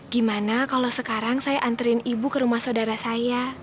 gimana kalau sekarang saya anterin ibu ke rumah saudara saya